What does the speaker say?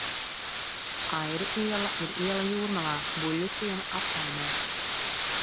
Airu iela ir iela Jūrmalā, Buļļuciema apkaimē.